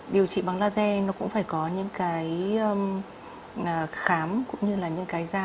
điều trị bằng laser nó cũng phải có những cái khám cũng như là những cái da